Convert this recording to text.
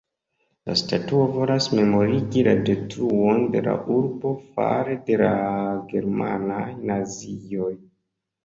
La statuo volas memorigi la detruon de la urbo fare de la germanaj nazioj.